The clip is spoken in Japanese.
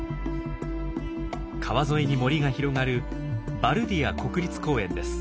川沿いに森が広がるバルディア国立公園です。